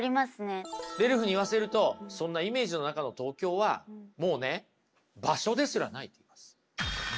レルフに言わせるとそんなイメージの中の東京はもうね場所ですらない。